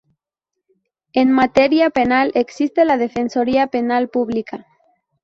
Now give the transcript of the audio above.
En materia penal, existe la Defensoría Penal Pública.